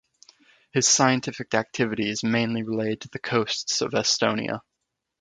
His scientific activity is mainly related to the coasts of Estonia.